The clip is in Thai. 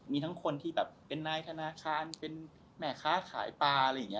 มีทั้งคนที่แบบเป็นนายธนาคารเป็นแม่ค้าขายปลาอะไรอย่างนี้